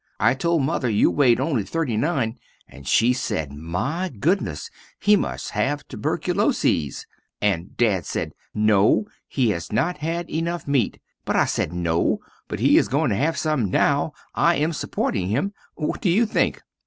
I told Mother you wade only 39 and she sed, my goodness he must have tuberculosees, and dad sed, no, he has not had enuf meat, but I sed no but he is going to have some now I am suporting him. What do you think?